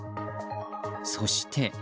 そして。